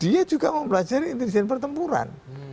dia juga mempelajari intelijen pertempuran